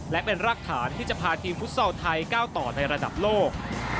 และเป็นรากฐานที่จะพาทีมฟุตซอลไทยก้าวต่อในระดับโลก